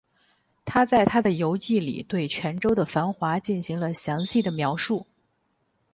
他在他的游记里对泉州的繁华进行了详细的描述。